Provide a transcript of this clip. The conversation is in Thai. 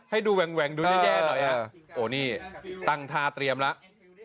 ให้ดูแหว่งดูแย่หน่อยฮะโอ้นี่ตั้งท่าเตรียมแล้ว